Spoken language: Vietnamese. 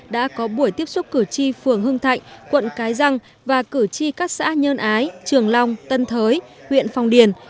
đã có buổi tiếp xúc cử tri phường hưng thạnh quận cái răng và cử tri các xã nhơn ái trường long tân thới huyện phong điền